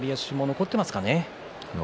残っていますね。